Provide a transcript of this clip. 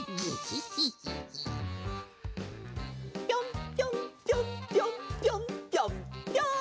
ぴょんぴょんぴょんぴょんぴょんぴょんぴょん！